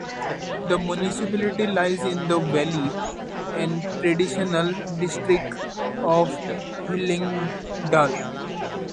The municipality lies in the valley and traditional district of Hallingdal.